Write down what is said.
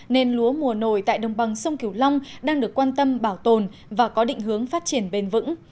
nên lúa mùa nổi tại đồng bằng sông kiều long đang được quan tâm bảo tồn và có định hướng phát triển bền vững